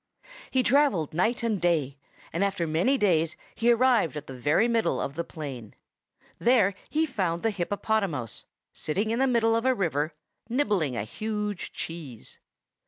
He travelled night and day, and after many days he arrived at the very middle of the plain. There he found the hippopotamouse, sitting in the middle of a river, nibbling a huge cheese.